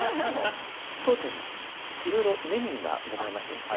当店いろいろメニューがございましてですね